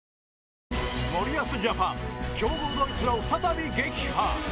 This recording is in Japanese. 森保ジャパン強豪ドイツを再び撃破